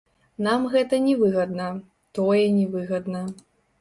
Нам гэта не выгадна, тое не выгадна.